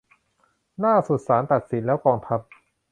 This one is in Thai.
ล่าสุดศาลตัดสินแล้วกองทัพ